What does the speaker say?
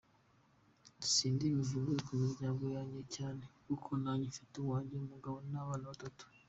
Sindi buvuge ku muryango wanjye cyane kuko nanjye mfite uwanjye, umugabo n’abana batatu.